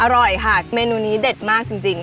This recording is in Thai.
อร่อยค่ะเมนูนี้เด็ดมากจริง